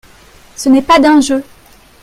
Ce n'est pas d'un jeu.